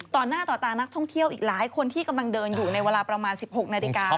ต่อหน้าต่อตานักท่องเที่ยวอีกหลายคนที่กำลังเดินอยู่ในเวลาประมาณ๑๖นาฬิกา